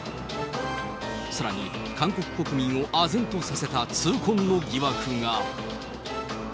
さらに韓国国民をあぜんとさせた痛恨の疑惑が。